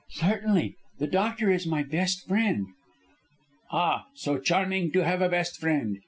"Certainly. The doctor is my best friend." "Ah! so charming to have a best friend.